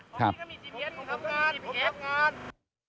ครับ